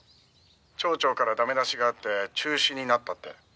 「町長から駄目出しがあって中止になったって」